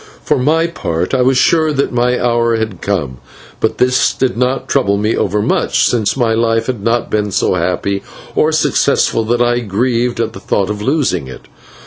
For my part, I was sure that my hour had come, but this did not trouble me overmuch, since my life had not been so happy or successful that I grieved at the thought of losing it.